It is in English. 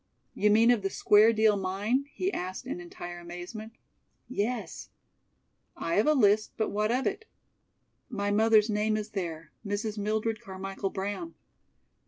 "You mean of the Square Deal Mine?" he asked in entire amazement. "Yes." "I have a list, but what of it?" "My mother's name is there Mrs. Mildred Carmichael Brown."